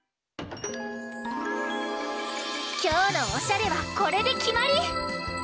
きょうのおしゃれはこれできまり！